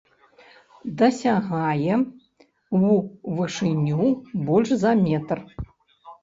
Дасягае ў вышыню больш за метр.